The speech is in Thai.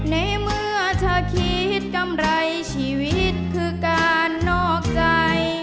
ในเมื่อเธอคิดกำไรชีวิตคือการนอกใจ